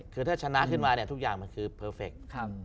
คือถ้าชนะขึ้นมาเนี่ยทุกอย่างมันคือเพอร์เฟค